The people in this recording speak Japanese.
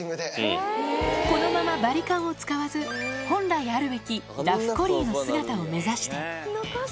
このままバリカンを使わず、本来あるべきラフ・コリーの姿を目指して。